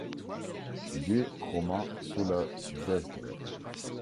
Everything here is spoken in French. Gué romain sur la Vesdre.